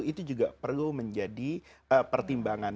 itu juga perlu menjadi pertimbangan